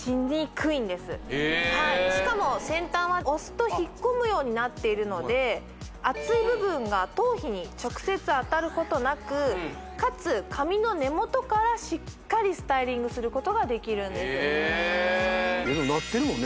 しかも先端は押すと引っ込むようになっているので熱い部分が頭皮に直接当たることなくかつ髪の根元からしっかりスタイリングすることができるんですなってるもんね